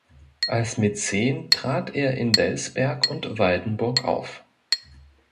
Als Mäzen trat er in Delsberg und Waldenburg auf.